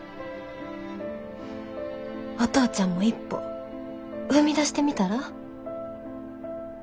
お父ちゃんも一歩踏み出してみたら？